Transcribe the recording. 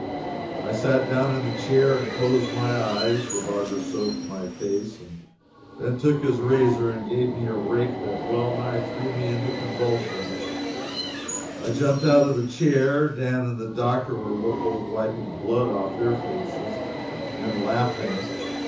I sat down in the chair and closed my eyes. The barber soaped my face, and then took his razor and gave me a rake that well nigh threw me into convulsions. I jumped out of the chair: Dan and the doctor were both wiping blood off their faces and laughing.